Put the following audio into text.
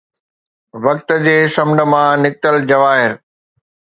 وقت جي سمنڊ مان نڪتل جواهر